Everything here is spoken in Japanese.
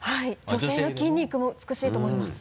女性の筋肉も美しいと思います。